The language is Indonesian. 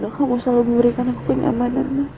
tuhan kamu selalu memberikan aku kenyamanan mas